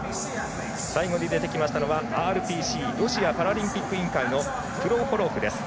最後に出てきましたのはＲＰＣ＝ロシアパラリンピック委員会のプロホロフです。